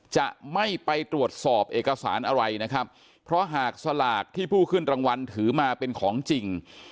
จะไม่ไปตรวจสอบเอกสารอะไรนะครับเพราะหากสลากที่ผู้ขึ้นรางวัลถือมาเป็นของจริง